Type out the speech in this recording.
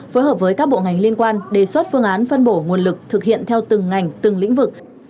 phối hợp với các bộ ngành liên quan đề xuất phương án phân bổ nguồn lực thực hiện theo từng ngành từng lĩnh vực